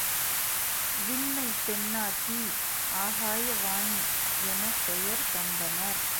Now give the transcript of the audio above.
விண்ணைப் பெண்ணாக்கி ஆகாய வாணி எனப் பெயர் தந்தனர்.